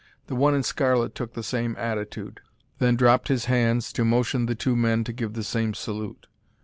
The one in scarlet took the same attitude, then dropped his hands to motion the two men to give the same salute.